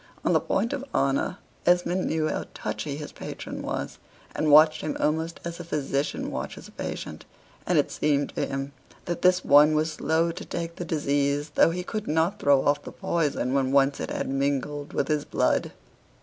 On the point of honor Esmond knew how touchy his patron was; and watched him almost as a physician watches a patient, and it seemed to him that this one was slow to take the disease, though he could not throw off the poison when once it had mingled with his blood.